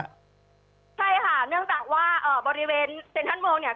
ค่ะใช่ค่ะเนื่องจากว่าอ่าบริเวณเนี้ย